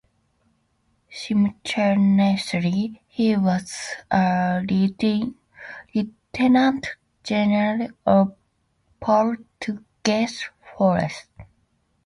Simultaneously, he was a Lieutenant General of Portuguese forces.